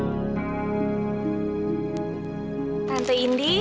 aku yang nanti klubku langsung kuatidentif